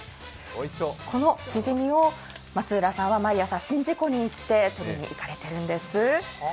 このしじみを松浦さんは毎朝、宍道湖に取りに行かれているんです。